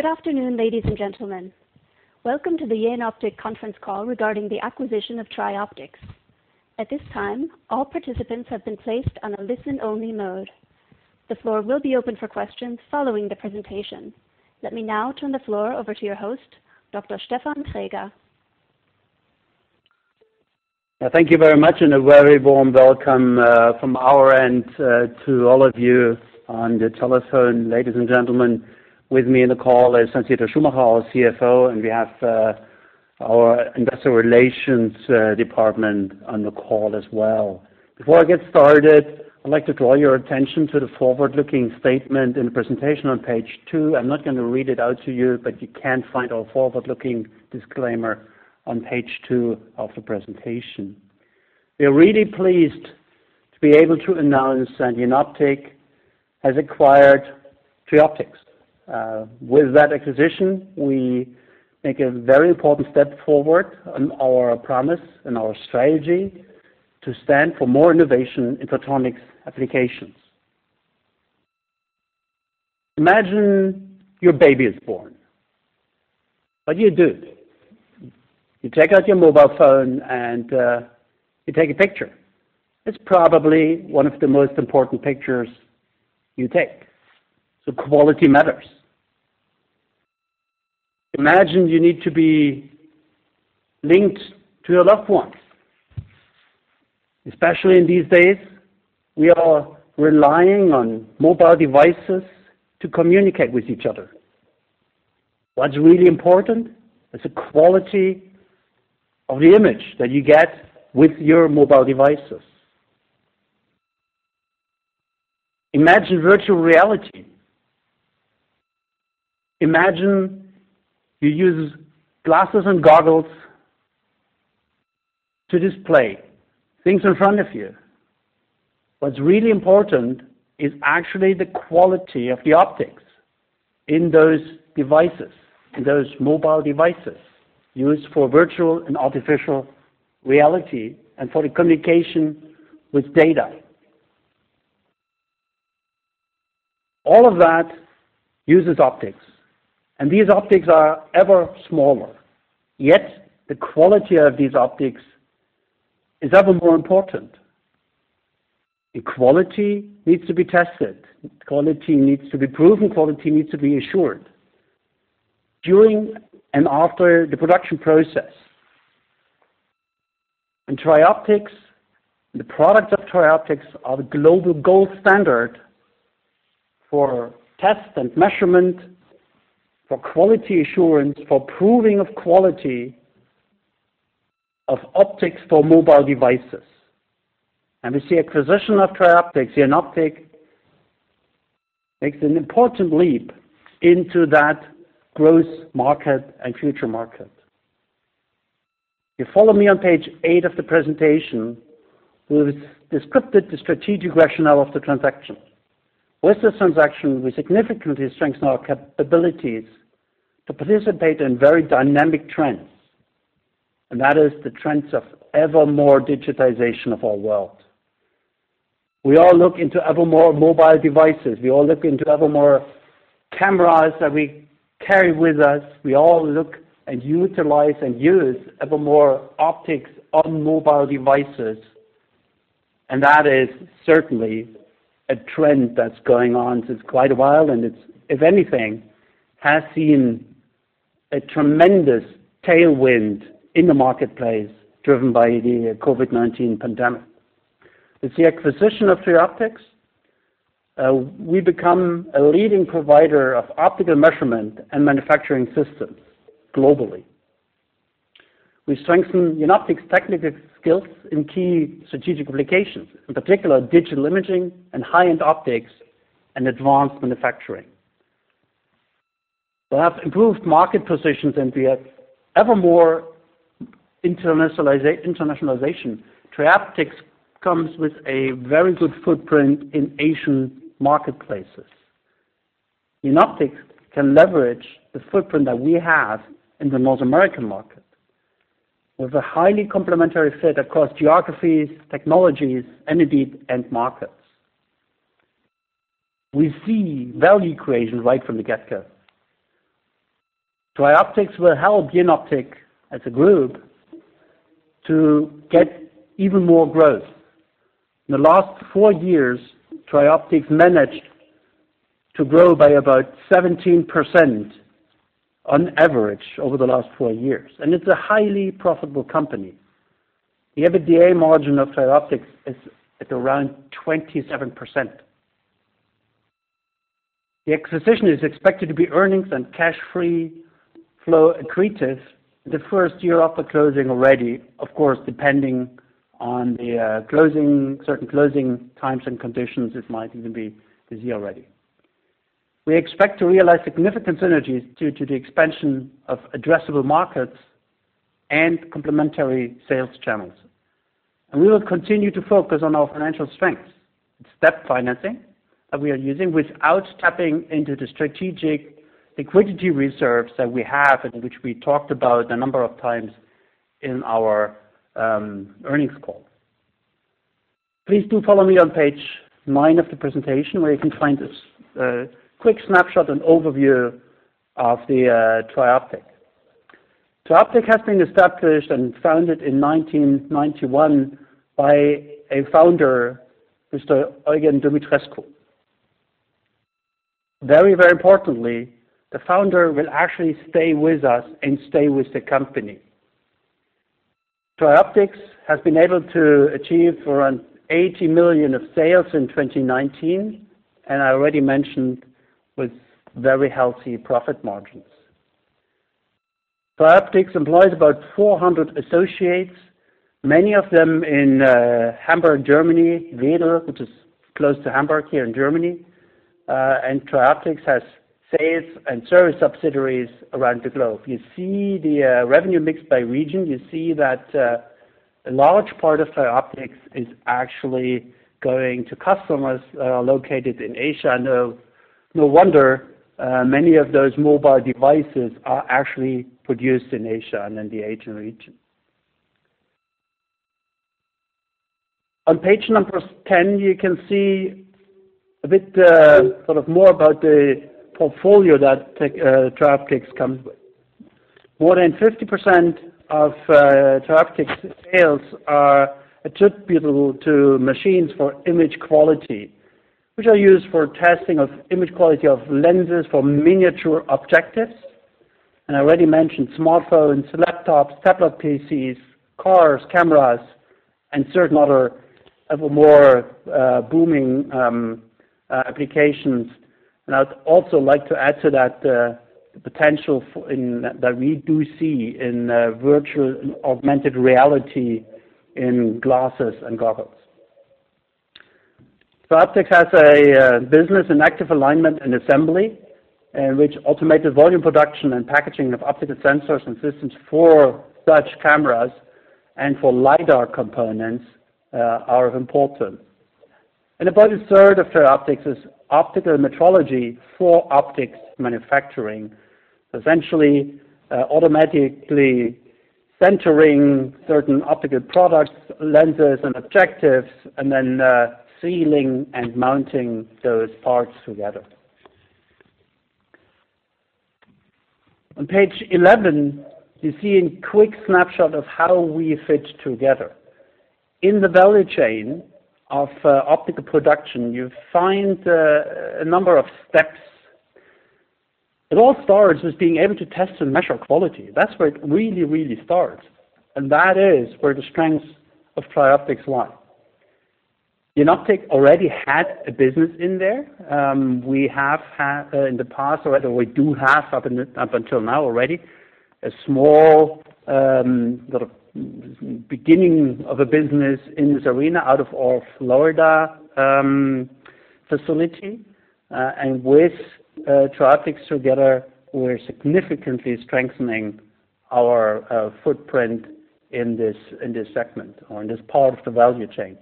Good afternoon, ladies and gentlemen. Welcome to the Jenoptik conference call regarding the acquisition of Trioptics. At this time, all participants have been placed on a listen-only mode. The floor will be open for questions following the presentation. Let me now turn the floor over to your host, Dr Stefan Traeger. Thank you very much, a very warm welcome from our end to all of you on the telephone. Ladies and gentlemen, with me in the call is Hans-Dieter Schumacher, our CFO, and we have our investor relations department on the call as well. Before I get started, I'd like to draw your attention to the forward-looking statement and presentation on page two. I'm not going to read it out to you, but you can find our forward-looking disclaimer on page two of the presentation. We are really pleased to be able to announce that Jenoptik has acquired Trioptics. With that acquisition, we make a very important step forward on our promise and our strategy to stand for more innovation in photonics applications. Imagine your baby is born. What do you do? You take out your mobile phone and you take a picture. It's probably one of the most important pictures you take, so quality matters. Imagine you need to be linked to your loved ones, especially in these days, we are relying on mobile devices to communicate with each other. What's really important is the quality of the image that you get with your mobile devices. Imagine virtual reality. Imagine you use glasses and goggles to display things in front of you. What's really important is actually the quality of the optics in those devices, in those mobile devices used for virtual and artificial reality, and for the communication with data. All of that uses optics, and these optics are ever smaller. Yet the quality of these optics is ever more important. The quality needs to be tested. The quality needs to be proven. Quality needs to be assured during and after the production process. The products of Trioptics are the global gold standard for test and measurement, for quality assurance, for proving of quality of optics for mobile devices. With the acquisition of Trioptics, Jenoptik makes an important leap into that growth market and future market. If you follow me on page eight of the presentation, we have described the strategic rationale of the transaction. With this transaction, we significantly strengthen our capabilities to participate in very dynamic trends, and that is the trends of ever more digitization of our world. We all look into ever more mobile devices. We all look into ever more cameras that we carry with us. We all look and utilize and use ever more optics on mobile devices. That is certainly a trend that's going on since quite a while, and it, if anything, has seen a tremendous tailwind in the marketplace driven by the COVID-19 pandemic. With the acquisition of Trioptics, we become a leading provider of optical measurement and manufacturing systems globally. We strengthen Jenoptik's technical skills in key strategic applications, in particular digital imaging and high-end optics and advanced manufacturing. We have improved market positions and we have ever more internationalization. Trioptics comes with a very good footprint in Asian marketplaces. Jenoptik can leverage the footprint that we have in the North American market. With a highly complementary fit across geographies, technologies, and indeed end markets. We see value creation right from the get-go. Trioptics will help Jenoptik as a group to get even more growth. In the last four years, Trioptics managed to grow by about 17% on average over the last four years. It's a highly profitable company. The EBITDA margin of Trioptics is at around 27%. The acquisition is expected to be earnings and free cash flow accretive the first year after closing already. Of course, depending on the certain closing times and conditions, it might even be this year already. We expect to realize significant synergies due to the expansion of addressable markets and complementary sales channels. We will continue to focus on our financial strengths. The step financing that we are using without tapping into the strategic liquidity reserves that we have and which we talked about a number of times in our earnings call. Please do follow me on page nine of the presentation, where you can find this quick snapshot and overview of the Trioptics. Trioptics has been established and founded in 1991 by a founder, Mr. Eugen Dumitrescu. Very importantly, the founder will actually stay with us and stay with the company. Trioptics has been able to achieve around 80 million of sales in 2019. I already mentioned with very healthy profit margins. Trioptics employs about 400 associates, many of them in Hamburg, Germany, Wedel, which is close to Hamburg here in Germany. Trioptics has sales and service subsidiaries around the globe. You see the revenue mix by region. You see that a large part of Trioptics is actually going to customers located in Asia. No wonder, many of those mobile devices are actually produced in Asia and in the Asian region. On page number 10, you can see a bit more about the portfolio that Trioptics comes with. More than 50% of Trioptics sales are attributable to machines for image quality, which are used for testing of image quality of lenses for miniature objectives. I already mentioned smartphones, laptops, tablet PCs, cars, cameras, and certain other more booming applications. I'd also like to add to that the potential that we do see in virtual augmented reality in glasses and goggles. Trioptics has a business in active alignment and assembly, in which automated volume production and packaging of optical sensors and systems for such cameras and for lidar components are of important. About a third of Trioptics is optical metrology for optics manufacturing. Essentially, automatically centering certain optical products, lenses, and objectives, and then sealing and mounting those parts together. On page 11, you see a quick snapshot of how we fit together. In the value chain of optical production, you find a number of steps. It all starts with being able to test and measure quality. That's where it really starts, that is where the strengths of Trioptics lie. Jenoptik already had a business in there. We have had in the past, or rather we do have up until now already, a small beginning of a business in this arena out of our Florida facility. With Trioptics together, we're significantly strengthening our footprint in this segment or in this part of the value chain.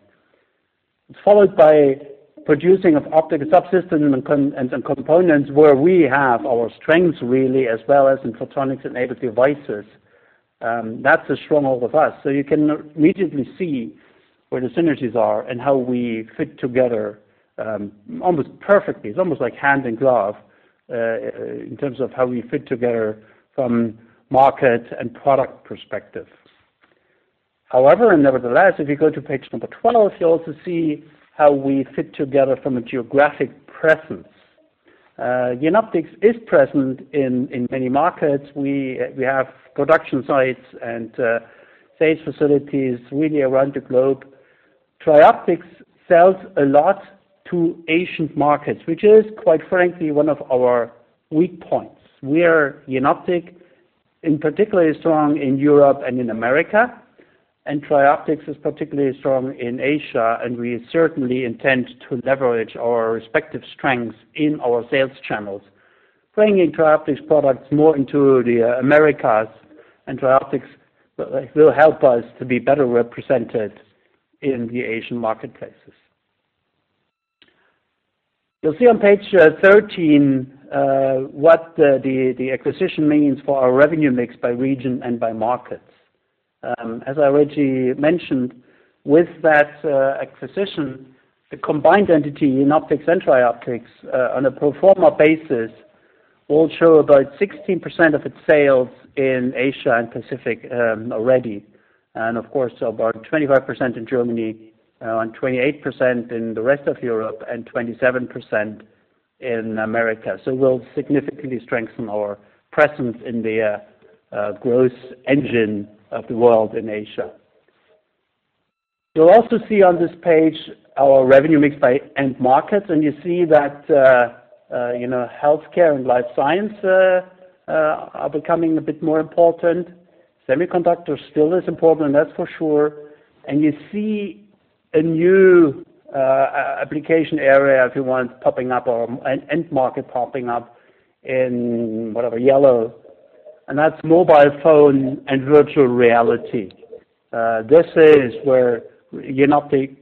It's followed by producing of optical subsystems and components where we have our strengths really, as well as in photonics-enabled devices. That's a stronghold of us. You can immediately see where the synergies are and how we fit together almost perfectly. It's almost like hand and glove in terms of how we fit together from market and product perspective. However, nevertheless, if you go to page number 12, you also see how we fit together from a geographic presence. Jenoptik is present in many markets. We have production sites and sales facilities really around the globe. Trioptics sells a lot to Asian markets, which is, quite frankly, one of our weak points. We are, Jenoptik, in particular, is strong in Europe and in America, and Trioptics is particularly strong in Asia, and we certainly intend to leverage our respective strengths in our sales channels, bringing Trioptics products more into the Americas. Trioptics will help us to be better represented in the Asian marketplaces. You'll see on page 13 what the acquisition means for our revenue mix by region and by markets. As I already mentioned, with that acquisition, the combined entity, Jenoptik and Trioptics, on a pro forma basis, will show about 16% of its sales in Asia and Pacific already. Of course, about 25% in Germany and 28% in the rest of Europe, and 27% in America. We'll significantly strengthen our presence in the growth engine of the world in Asia. You'll also see on this page our revenue mix by end markets, and you see that healthcare and life science are becoming a bit more important. Semiconductor still is important, that's for sure. You see a new application area, if you want, popping up or an end market popping up in whatever yellow, and that's mobile phone and virtual reality. This is where Jenoptik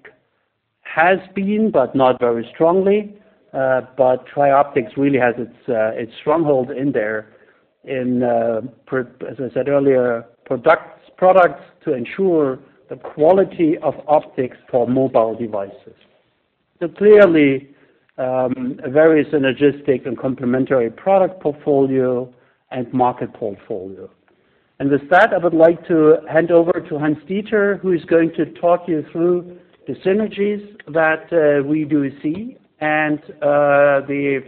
has been, but not very strongly. Trioptics really has its stronghold in there, in, as I said earlier, products to ensure the quality of optics for mobile devices. Clearly, a very synergistic and complementary product portfolio and market portfolio. With that, I would like to hand over to Hans-Dieter, who is going to talk you through the synergies that we do see and the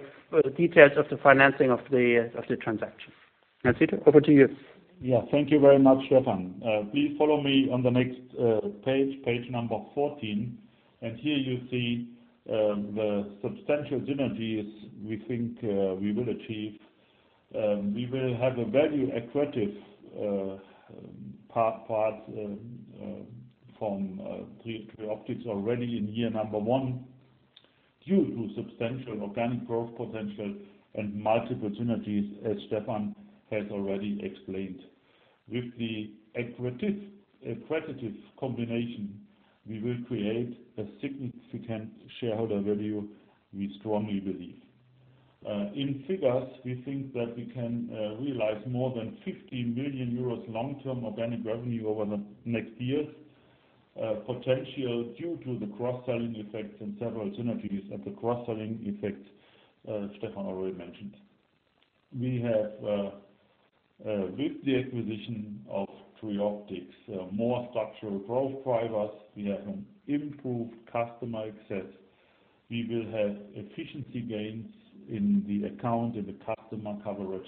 details of the financing of the transaction. Hans-Dieter, over to you. Yeah. Thank you very much, Stefan. Please follow me on the next page number 14. Here you see the substantial synergies we think we will achieve. We will have a very accretive part from Trioptics already in year number one due to substantial organic growth potential and multiple synergies, as Stefan has already explained. With the accretive combination, we will create a significant shareholder value, we strongly believe. In figures, we think that we can realize more than 50 million euros long-term organic revenue over the next years' potential due to the cross-selling effects and several synergies and the cross-selling effects Stefan already mentioned. We have, with the acquisition of Trioptics, more structural growth drivers. We have an improved customer access. We will have efficiency gains in the account, in the customer coverage,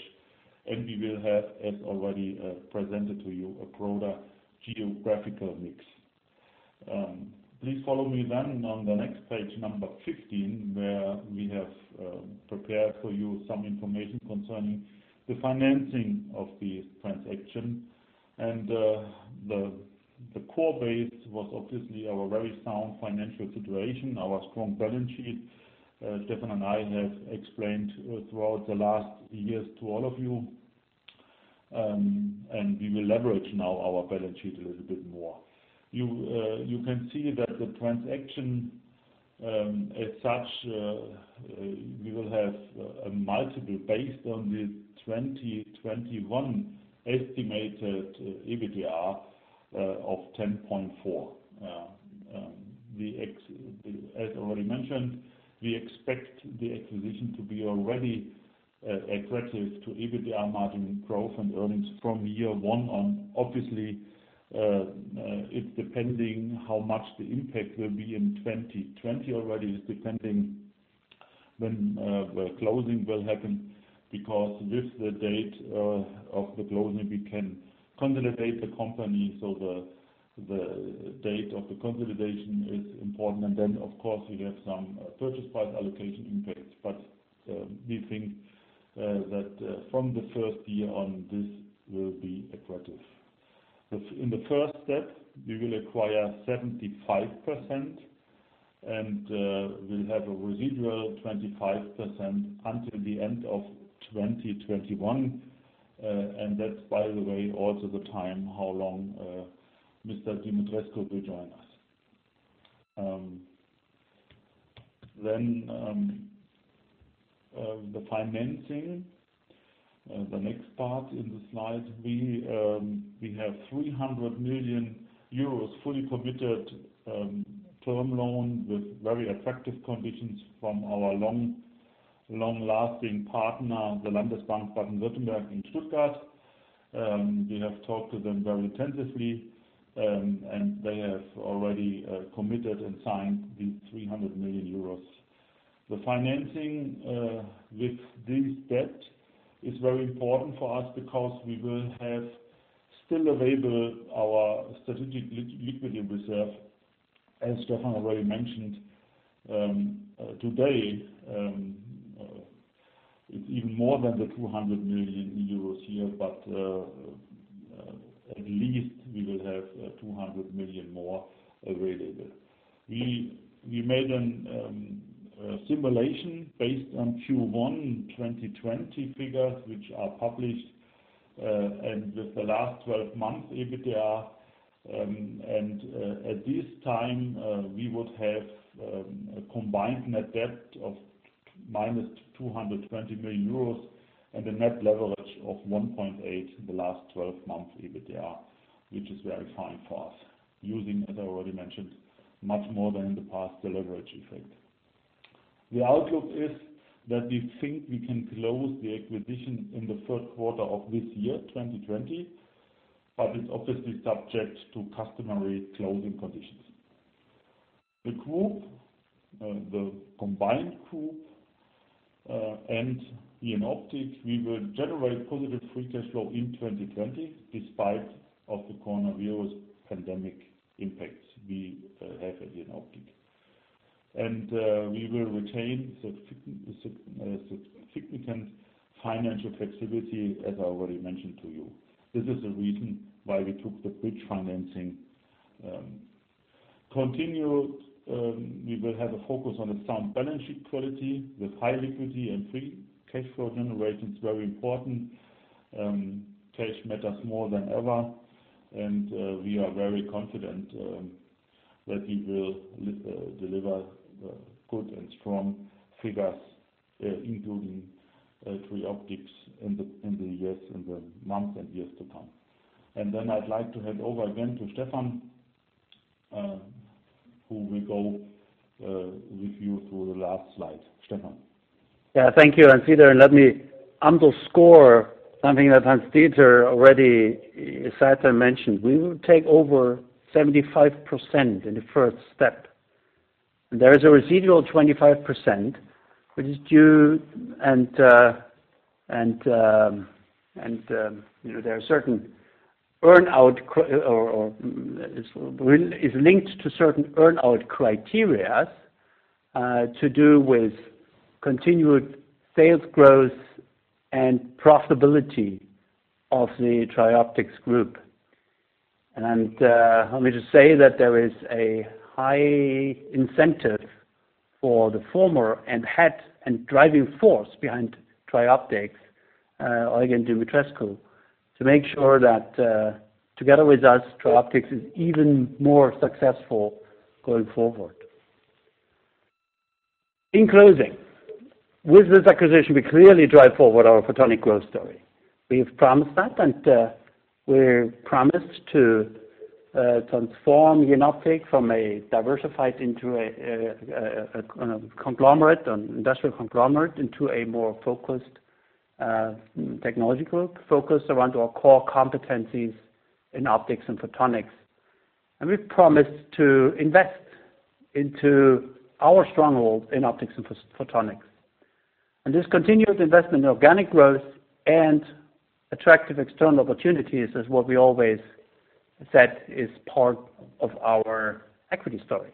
and we will have, as already presented to you, a broader geographical mix. Please follow me on the next page number 15, where we have prepared for you some information concerning the financing of the transaction. The core base was obviously our very sound financial situation, our strong balance sheet. Stefan and I have explained throughout the last years to all of you, and we will leverage now our balance sheet a little bit more. You can see that the transaction, as such, we will have a multiple based on the 2021 estimated EBITDA of 10.4. As already mentioned, we expect the acquisition to be already accretive to EBITDA margin growth and earnings from year one on. Obviously, it's depending how much the impact will be in 2020 already. It's depending when closing will happen because with the date of the closing we can consolidate the company, so the date of the consolidation is important. Of course, we have some purchase price allocation impacts. We think that from the first year on, this will be accretive. In the first step, we will acquire 75% and we'll have a residual 25% until the end of 2021. That's, by the way, also the time how long Mr. Dumitrescu will join us. The financing, the next part in the slide. We have 300 million euros fully committed term loan with very attractive conditions from our long-lasting partner, the Landesbank Baden-Württemberg in Stuttgart. We have talked to them very intensively, and they have already committed and signed the 300 million euros. The financing with this debt is very important for us because we will have still available our strategic liquidity reserve, as Stefan already mentioned. Today, even more than the 200 million euros here, but at least we will have 200 million more available. We made a simulation based on Q1 2020 figures, which are published, and with the last 12 months EBITDA. At this time, we would have a combined net debt of minus 220 million euros and a net leverage of 1.8 the last 12 months EBITDA, which is very fine for us. Using, as I already mentioned, much more than in the past, the leverage effect. The outlook is that we think we can close the acquisition in the first quarter of this year, 2020, but it's obviously subject to customary closing conditions. The group, the combined group and Jenoptik, we will generate positive free cash flow in 2020 despite of the coronavirus pandemic impacts we have at Jenoptik. We will retain significant financial flexibility, as I already mentioned to you. This is the reason why we took the bridge financing. Continue, we will have a focus on a sound balance sheet quality with high liquidity and free cash flow generation is very important. Cash matters more than ever, and we are very confident that he will deliver good and strong figures including Trioptics in the months and years to come. Then I'd like to hand over again to Stefan, who will go with you through the last slide. Stefan. Yeah, thank you, Hans-Dieter. Let me underscore something that Hans-Dieter already said and mentioned. We will take over 75% in the first step, and there is a residual 25% is linked to certain earn-out criteria to do with continued sales growth and profitability of the Trioptics Group. Allow me to say that there is a high incentive for the former and head and driving force behind Trioptics, Eugen Dumitrescu, to make sure that together with us, Trioptics is even more successful going forward. In closing, with this acquisition, we clearly drive forward our photonic growth story. We've promised that, and we're promised to transform Jenoptik from a diversified into an industrial conglomerate, into a more focused technology group, focused around our core competencies in optics and photonics. We've promised to invest into our stronghold in optics and photonics. This continued investment in organic growth and attractive external opportunities is what we always said is part of our equity story.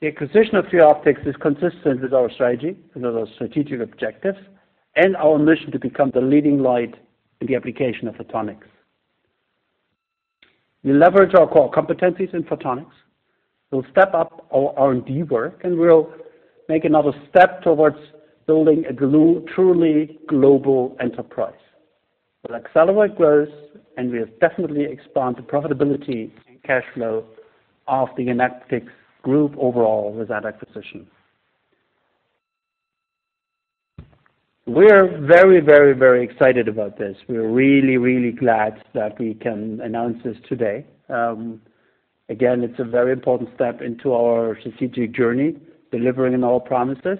The acquisition of Trioptics is consistent with our strategy and our strategic objectives and our mission to become the leading light in the application of photonics. We leverage our core competencies in photonics. We'll step up our R&D work, and we'll make another step towards building a truly global enterprise. We'll accelerate growth, and we'll definitely expand the profitability and cash flow of the Jenoptik Group overall with that acquisition. We are very excited about this. We are really glad that we can announce this today. Again, it's a very important step into our strategic journey, delivering on all promises.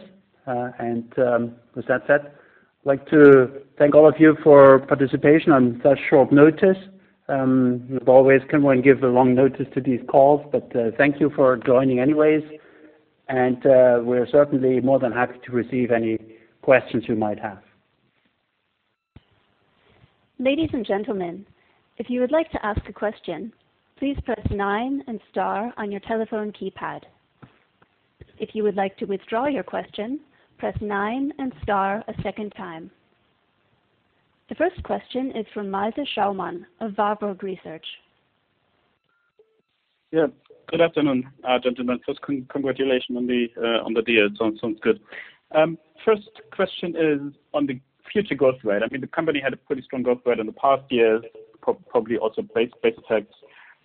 With that said, I'd like to thank all of you for participation on such short notice. We've always given the wrong notice to these calls, but thank you for joining anyway. We're certainly more than happy to receive any questions you might have. Ladies and gentlemen, if you would like to ask a question, please press nine and star on your telephone keypad. If you would like to withdraw your question, press nine and star a second time. The first question is from Malte Schaumann of Warburg Research. Yeah. Good afternoon, gentlemen. First, congratulations on the deal. It sounds good. First question is on the future growth rate. I mean, the company had a pretty strong growth rate in the past years, probably also base effects.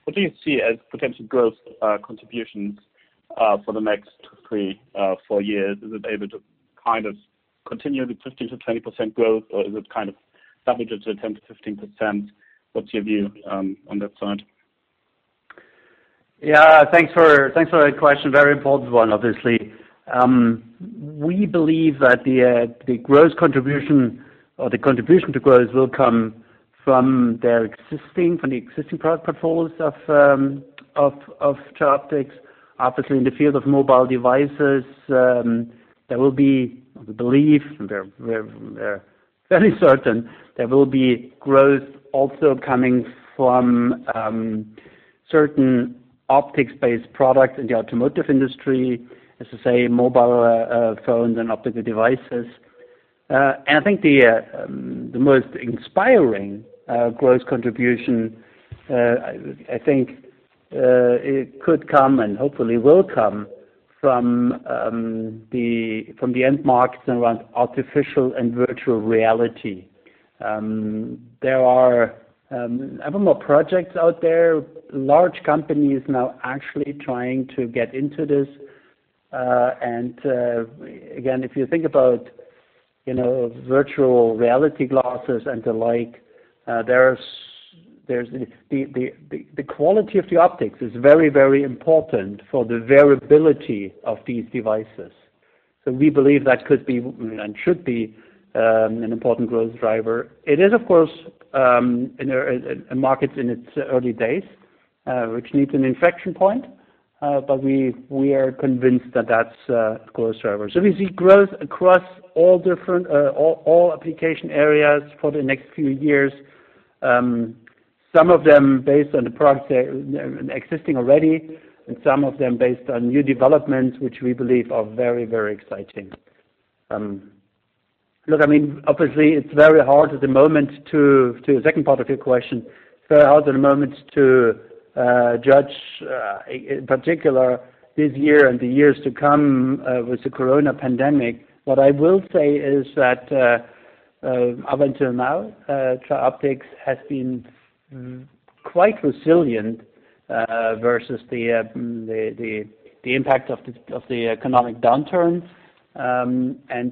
What do you see as potential growth contributions for the next three, four years? Is it able to kind of continue the 15%-20% growth, or is it kind of salvage it to 10%-15%? What's your view on that front? Yeah. Thanks for that question. Very important one, obviously. We believe that the growth contribution or the contribution to growth will come from the existing product portfolios of Trioptics. In the field of mobile devices, we believe, we're fairly certain there will be growth also coming from certain optics-based products in the automotive industry. As I say, mobile phones and optical devices. I think the most inspiring growth contribution, I think it could come and hopefully will come from the end markets around artificial and virtual reality. There are ever more projects out there, large companies now actually trying to get into this. Again, if you think about virtual reality glasses and the like, the quality of the optics is very important for the variability of these devices. We believe that could be and should be an important growth driver. It is, of course, a market in its early days, which needs an inflection point. We are convinced that that's a growth driver. We see growth across all application areas for the next few years. Some of them based on the products that are existing already, and some of them based on new developments, which we believe are very exciting. Look, I mean, obviously it's very hard at the moment to judge a particular this year and the years to come with the coronavirus pandemic, what I will say is that up until now, Trioptics has been quite resilient versus the impact of the economic downturn.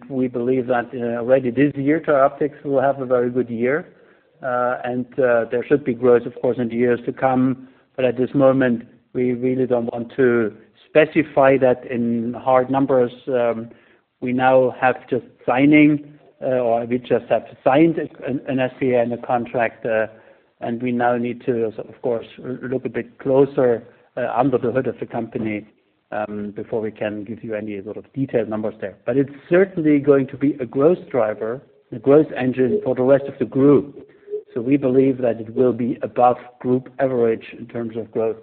We believe that already this year, Trioptics will have a very good year. There should be growth, of course, in the years to come. At this moment, we really don't want to specify that in hard numbers. We just have signed an SPA and a contract. We now need to, of course, look a bit closer under the hood of the company before we can give you any sort of detailed numbers there. It's certainly going to be a growth driver, a growth engine for the rest of the group. We believe that it will be above group average in terms of growth.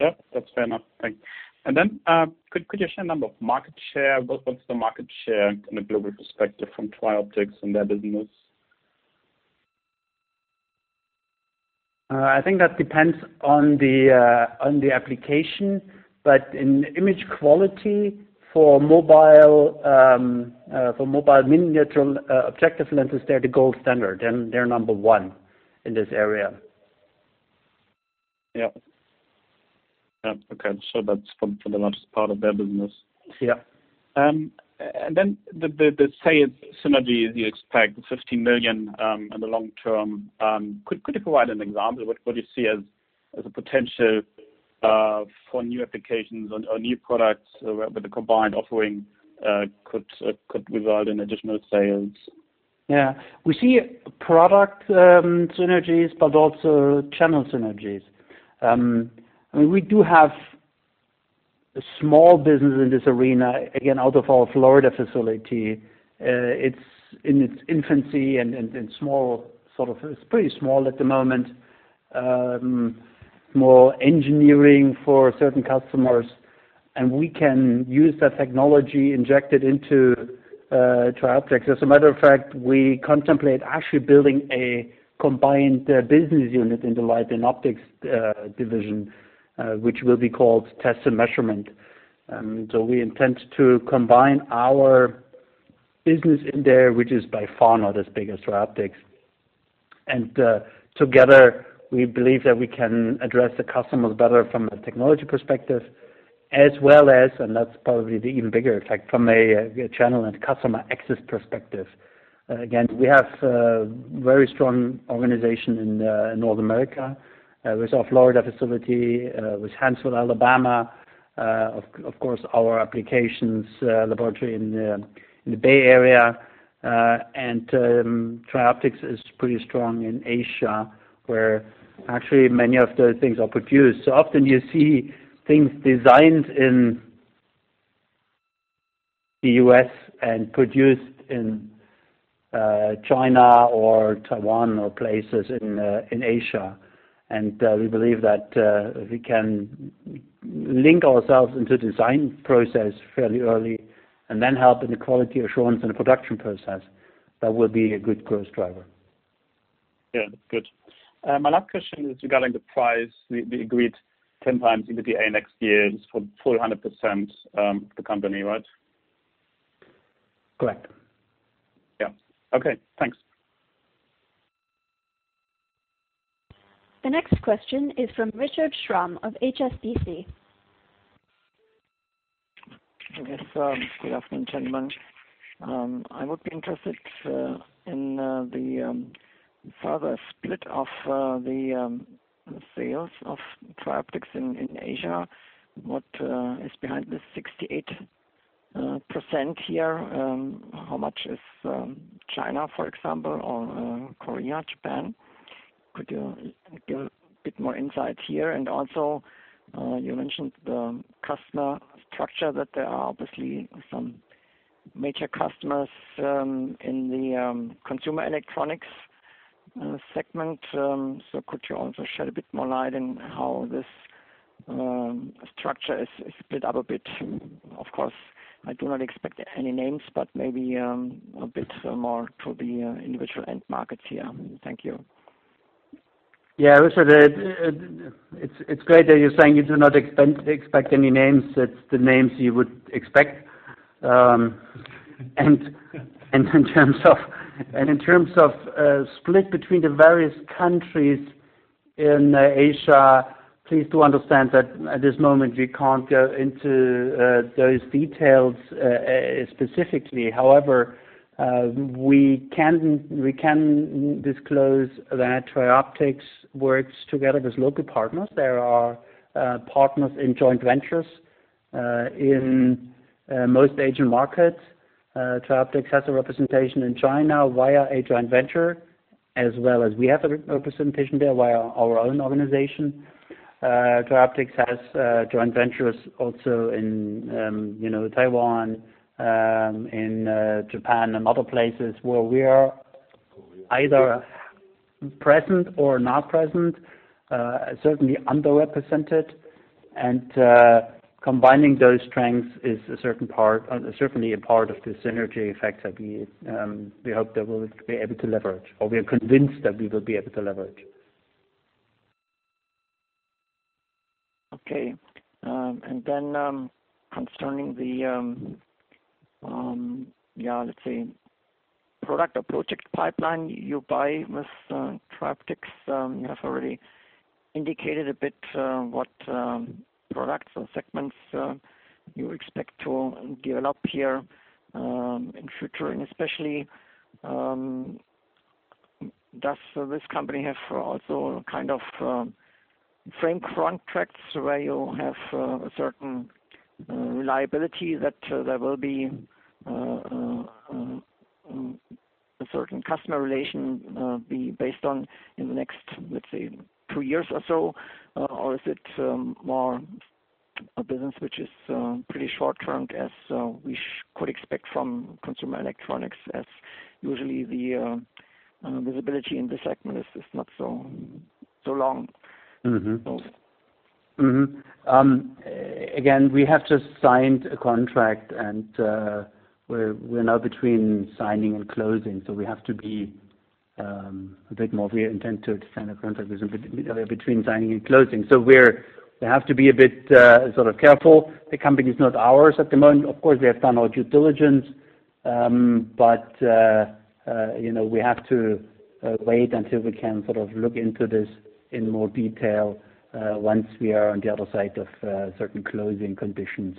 Yeah. That's fair enough. Thanks. Could you share a number of market share, both of the market share from a global perspective from Trioptics and their business? I think that depends on the application, but in image quality for mobile miniature objective lenses, they're the gold standard, and they're number one in this area. Yeah. Okay. That's for the largest part of their business. Yeah. The sales synergy you expect, the 50 million in the long term. Could you provide an example of what you see as a potential for new applications or new products where the combined offering could result in additional sales? Yeah. We see product synergies but also channel synergies. We do have a small business in this arena, again, out of our Florida facility. It's in its infancy and it's pretty small at the moment. More engineering for certain customers. We can use that technology, inject it into Trioptics. As a matter of fact, we contemplate actually building a combined business unit in the Light & Optics division, which will be called Test and Measurement. We intend to combine our business in there, which is by far not as big as Trioptics. Together, we believe that we can address the customers better from a technology perspective as well as, and that's probably the even bigger effect, from a channel and customer access perspective. Again, we have a very strong organization in North America with our Florida facility, with Huntsville, Alabama, of course, our applications laboratory in the Bay Area. Trioptics is pretty strong in Asia, where actually many of the things are produced. Often you see things designed in the U.S. and produced in China or Taiwan or places in Asia. We believe that we can link ourselves into design process fairly early and then help in the quality assurance and the production process. That will be a good growth driver. Yeah. Good. My last question is regarding the price. We agreed 10 times EBITDA next year is for full 100% the company, right? Correct. Yeah. Okay, thanks. The next question is from Richard Schramm of HSBC. Okay, good afternoon, gentlemen. I would be interested in the further split of the sales of Trioptics in Asia. What is behind this 68% here? How much is China, for example, or Korea, Japan? Could you give a bit more insight here? Also, you mentioned the customer structure, that there are obviously some major customers in the consumer electronics segment. Could you also shed a bit more light in how this structure is split up a bit? Of course, I do not expect any names, but maybe a bit more to the individual end markets here. Thank you. Yeah, Richard, it's great that you're saying you do not expect any names. That's the names you would expect. In terms of split between the various countries in Asia, please do understand that at this moment, we can't go into those details specifically. However, we can disclose that Trioptics works together with local partners. There are partners in joint ventures in most Asian markets. Trioptics has a representation in China via a joint venture, as well as we have a representation there via our own organization. Trioptics has joint ventures also in Taiwan, in Japan, and other places where we are either present or not present, certainly underrepresented. Combining those strengths is certainly a part of the synergy effects that we hope that we'll be able to leverage, or we are convinced that we will be able to leverage. Okay. Concerning the, let's say, product or project pipeline you buy with Trioptics. You have already indicated a bit what products or segments you expect to develop here in future. Especially, does this company have also frame contracts where you have a certain reliability that there will be a certain customer relation be based on in the next, let's say, two years or so? Is it more a business which is pretty short-term as we could expect from consumer electronics, as usually the visibility in the segment is not so long? We have just signed a contract, and we're now between signing and closing. We intend to sign a contract, but we are between signing and closing. We have to be a bit careful. The company is not ours at the moment. Of course, we have done our due diligence. We have to wait until we can look into this in more detail once we are on the other side of certain closing conditions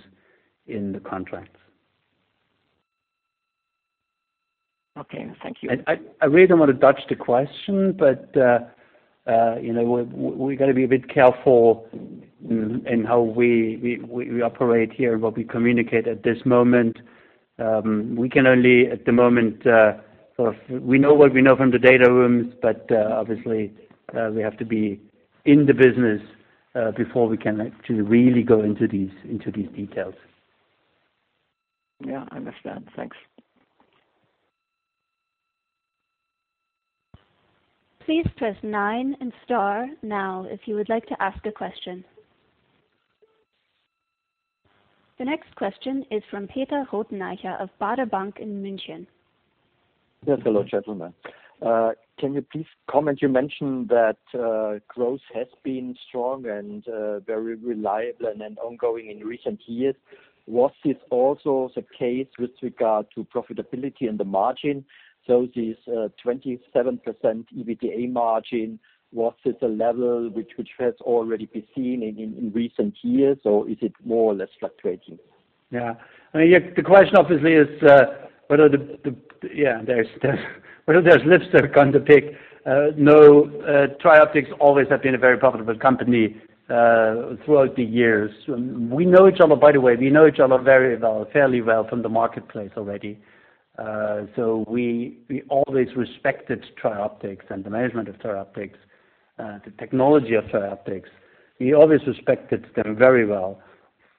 in the contracts. Okay. Thank you. I really don't want to dodge the question, but we got to be a bit careful in how we operate here, what we communicate at this moment. We can only, We know what we know from the data rooms, but obviously, we have to be in the business, before we can actually really go into these details. Yeah, I understand. Thanks. Please press nine and star now if you would like to ask a question. The next question is from Peter Rothenaicher of Baader Bank in Munich. Yes. Hello, gentlemen. Can you please comment, you mentioned that growth has been strong and very reliable and ongoing in recent years. Was this also the case with regard to profitability and the margin? This 27% EBITDA margin, was it a level which has already been seen in recent years, or is it more or less fluctuating? Yeah. The question obviously is, where are those leaps they're going to pick? No, Trioptics always have been a very profitable company, throughout the years. By the way, we know each other very well, fairly well from the marketplace already. We always respected Trioptics and the management of Trioptics, the technology of Trioptics. We always respected them very well.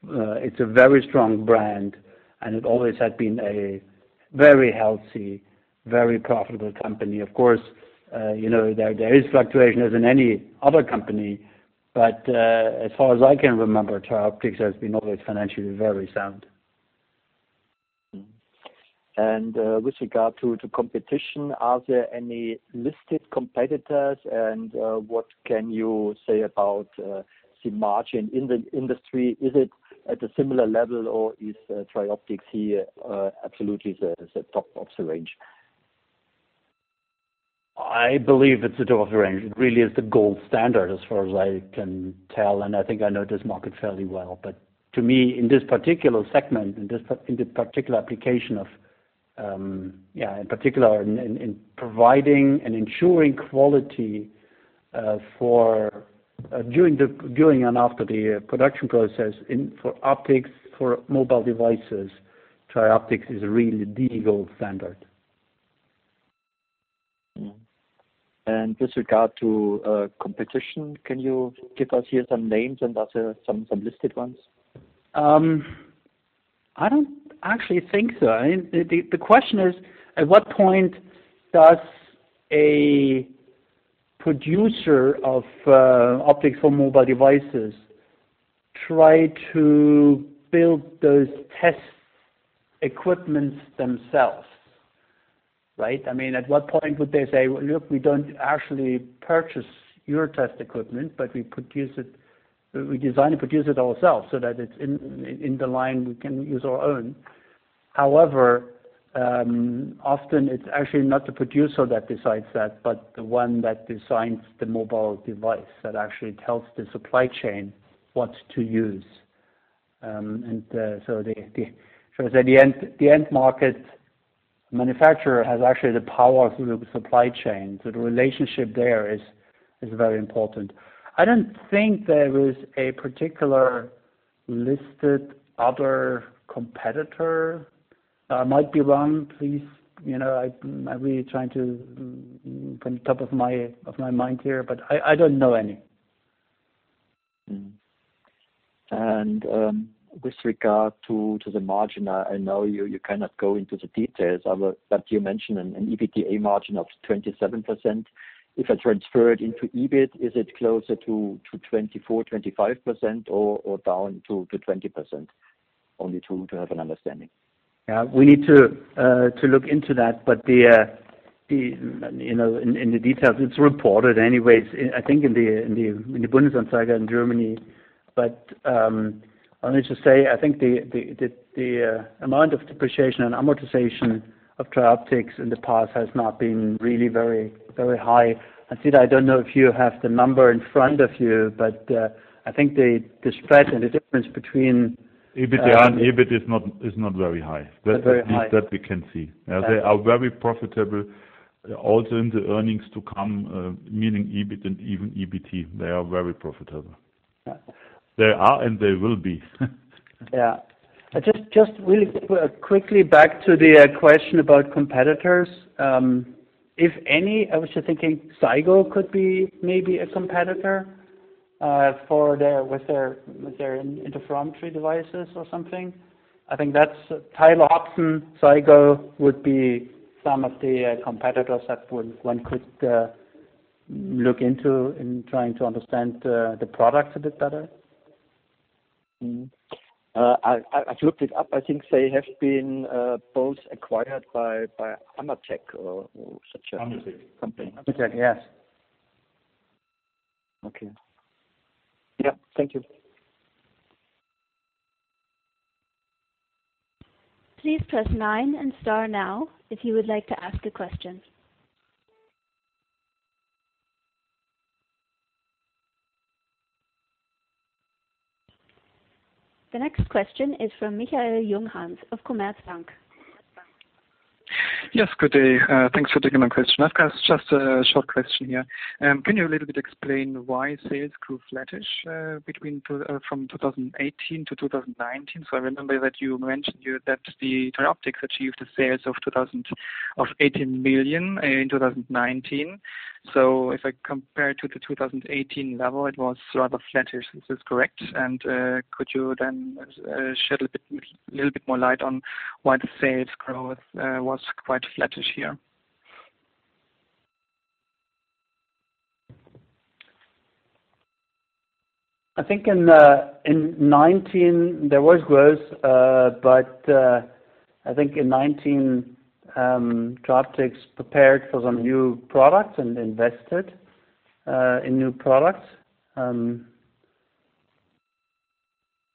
It's a very strong brand, and it always had been a very healthy, very profitable company. Of course, there is fluctuation as in any other company, but as far as I can remember, Trioptics has been always financially very sound. With regard to competition, are there any listed competitors? What can you say about the margin in the industry? Is it at a similar level, or is Trioptics here absolutely the top of the range? I believe it's the top of the range. It really is the gold standard as far as I can tell, and I think I know this market fairly well. To me, in this particular segment, in this particular application in particular in providing and ensuring quality during and after the production process for optics, for mobile devices, Trioptics is really the gold standard. With regard to competition, can you give us here some names and some listed ones? I don't actually think so. The question is, at what point does a producer of optics for mobile devices try to build those test equipments themselves, right? At what point would they say, "Look, we don't actually purchase your test equipment, but we design and produce it ourselves so that it's in the line, we can use our own." Often it's actually not the producer that decides that, but the one that designs the mobile device that actually tells the supply chain what to use. The end market manufacturer has actually the power through the supply chain. The relationship there is very important. I don't think there is a particular listed other competitor. I might be wrong, please. I'm really trying to from top of my mind here, but I don't know any. With regard to the margin, I know you cannot go into the details. You mentioned an EBITDA margin of 27%. If I transfer it into EBIT, is it closer to 24%, 25% or down to 20%? Only to have an understanding. Yeah. We need to look into that. In the details, it's reported anyways, I think, in the Bundesanzeiger in Germany. Only to say, I think the amount of depreciation and amortization of Trioptics in the past has not been really very high. Schumacher, I don't know if you have the number in front of you, but I think the spread and the difference between- EBITDA and EBIT is not very high. Not very high. That we can see. They are very profitable. In the earnings to come, meaning EBIT and even EBT, they are very profitable. Yeah. They are, and they will be. Yeah. Just really quickly back to the question about competitors. If any, I was just thinking, Zygo could be maybe a competitor with their interferometry devices or something. I think that Taylor Hobson, Zygo would be some of the competitors that one could look into in trying to understand the products a bit better. I've looked it up. I think they have been both acquired by Ametek or such a company. Ametek. Ametek, yes. Okay. Yeah. Thank you. Please press nine and star now if you would like to ask a question. The next question is from Michael Junghans of Commerzbank. Yes, good day. Thanks for taking my question. I've got just a short question here. Can you a little bit explain why sales grew flattish from 2018 to 2019? I remember that you mentioned here that the Trioptics achieved the sales of 80 million in 2019. If I compare it to the 2018 level, it was rather flattish. Is this correct? Could you then shed a little bit more light on why the sales growth was quite flattish here? I think in 2019 there was growth, but I think in 2019, Trioptics prepared for some new products and invested in new products.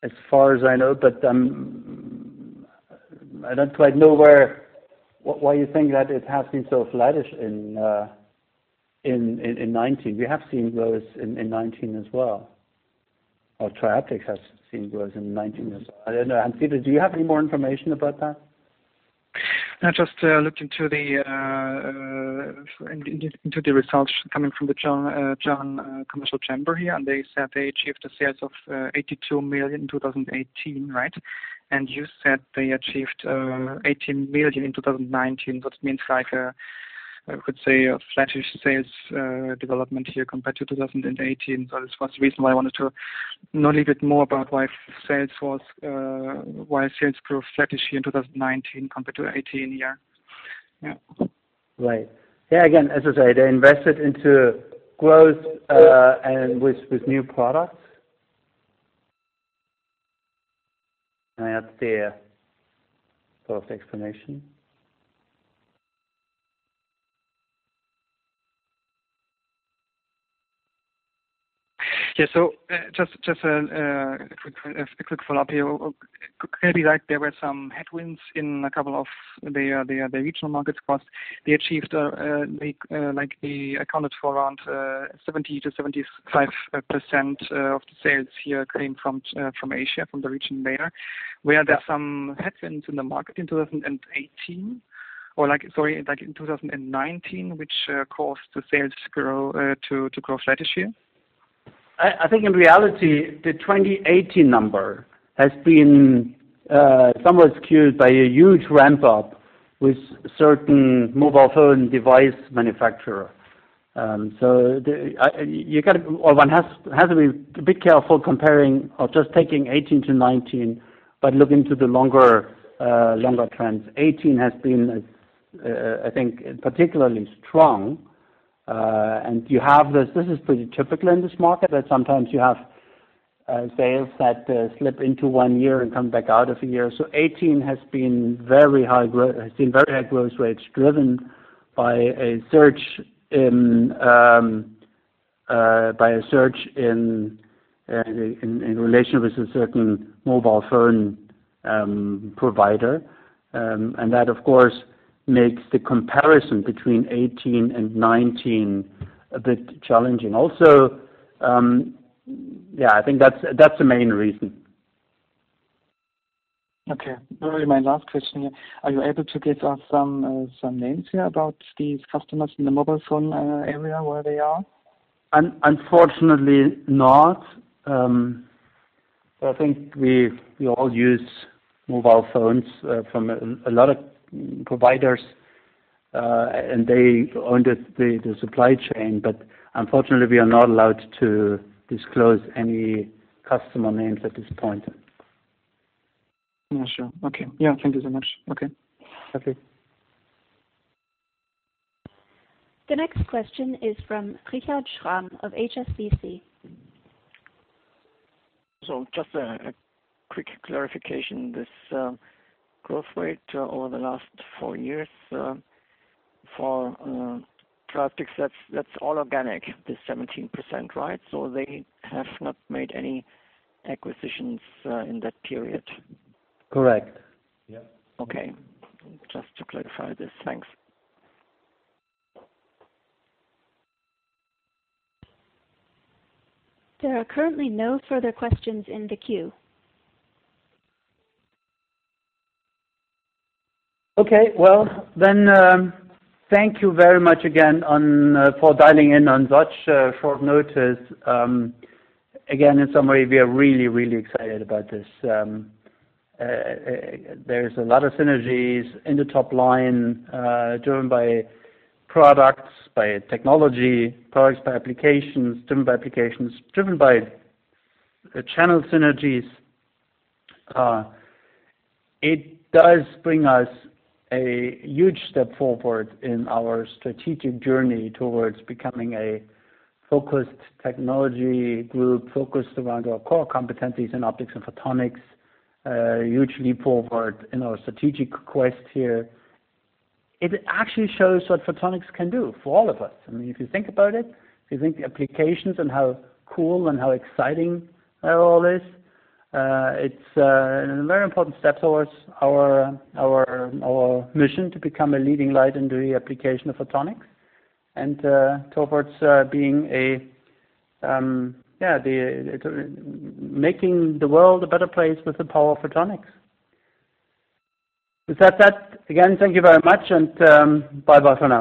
As far as I know, I don't quite know why you think that it has been so flattish in 2019. We have seen growth in 2019 as well, or Trioptics has seen growth in 2019 as well. I don't know. Hans Schumacher, do you have any more information about that? I just looked into the results coming from the German Chamber of Commerce here, and they said they achieved the sales of 82 million in 2018, right? You said they achieved 80 million in 2019. That means like a, you could say, a flattish sales development here compared to 2018. That was the reason why I wanted to know a little bit more about why sales grew flattish here in 2019 compared to 2018. Yeah. Right. Yeah, again, as I say, they invested into growth and with new products. That's the sort of the explanation. Yeah. Just a quick follow-up here. Clearly, there were some headwinds in a couple of the regional markets, plus they accounted for around 70%-75% of the sales here came from Asia, from the region there. Were there some headwinds in the market in 2018? Sorry, like in 2019, which caused the sales to grow flattish here? I think in reality, the 2018 number has been somewhat skewed by a huge ramp-up with certain mobile phone device manufacturer. One has to be a bit careful comparing or just taking 2018 to 2019, but look into the longer trends. 2018 has been, I think, particularly strong. This is pretty typical in this market, that sometimes you have sales that slip into one year and come back out of a year. 2018 has seen very high growth rates driven by a surge in relation with a certain mobile phone provider. That, of course, makes the comparison between 2018 and 2019 a bit challenging also. Yeah, I think that's the main reason. Okay. My last question here. Are you able to give us some names here about these customers in the mobile phone area, where they are? Unfortunately not. I think we all use mobile phones from a lot of providers. They own the supply chain. Unfortunately, we are not allowed to disclose any customer names at this point. Yeah, sure. Okay. Yeah. Thank you so much. Okay. Okay. The next question is from Richard Schramm of HSBC. Just a quick clarification, this growth rate over the last four years for products, that's all organic, this 17%, right? They have not made any acquisitions in that period? Correct. Yeah. Okay. Just to clarify this. Thanks. There are currently no further questions in the queue. Well, thank you very much again for dialing in on such short notice. In summary, we are really excited about this. There's a lot of synergies in the top line driven by products, by technology, products by applications, driven by applications, driven by channel synergies. It does bring us a huge step forward in our strategic journey towards becoming a focused technology group, focused around our core competencies in optics and photonics. A huge leap forward in our strategic quest here. It actually shows what photonics can do for all of us. If you think about it, if you think the applications and how cool and how exciting all this, it's a very important step towards our mission to become a leading light in the application of photonics, and towards making the world a better place with the power of photonics. With that said, again, thank you very much, and bye for now.